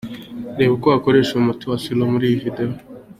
Reba uko wakoresha uyu muti wa Sur’Eau muri iyi video.